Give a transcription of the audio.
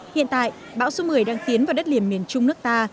hiện tại bão số một mươi đang tiến vào đất liền miền trung nước ta